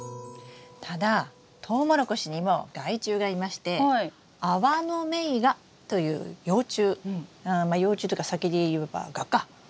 ただトウモロコシにも害虫がいましてアワノメイガという幼虫まあ幼虫というか先に言えば蛾か。